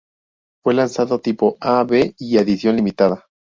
Fue lanzado tipo A, B y edición limitada.